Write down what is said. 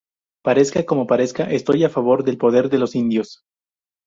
Parezca como parezca, estoy a favor del poder de los indios